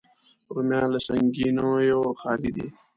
رومیان له سنګینیو خالي دي